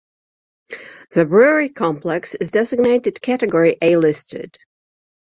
The brewery complex is designated Category A listed.